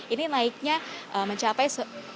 ini naiknya mencapai